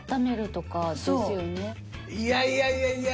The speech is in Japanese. いやいやいやいや。